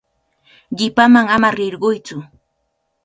Qipaman ama rirquytsu.